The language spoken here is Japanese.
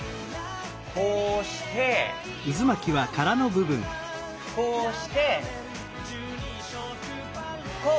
こうしてこうしてこう。